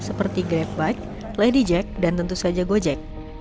seperti grabbike ladyjack dan tentu saja gojek